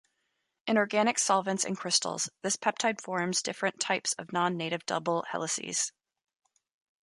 In organic solvents and crystals, this peptide forms different types of non-native double helices.